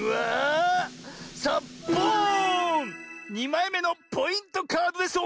２まいめのポイントカードです！